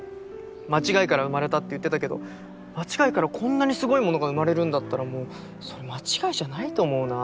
間違いから生まれたって言ってたけど間違いからこんなにすごいものが生まれるんだったらもうそれ間違いじゃないと思うな。